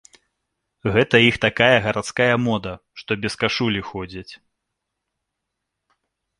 Гэта іх такая гарадская мода, што без кашулі ходзяць.